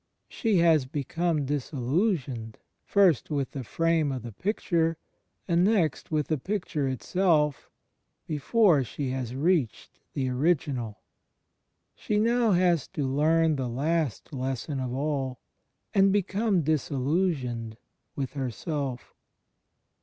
She has become "disillusioned," first with the frame of the picture, and next with the picture itself, before she has reached the original. She now has to learn the last lesson of all, and become disillusioned with herself.